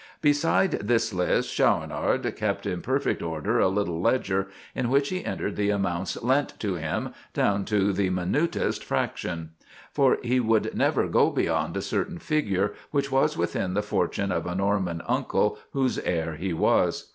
Beside this list, Schaunard kept in perfect order a little ledger, in which he entered the amounts lent to him, down to the minutest fractions; for he would never go beyond a certain figure, which was within the fortune of a Norman uncle whose heir he was.